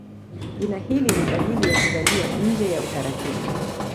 Jina hili ni dalili ya kuzaliwa nje ya utaratibu.